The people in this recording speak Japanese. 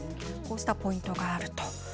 こうしたポイントがあると。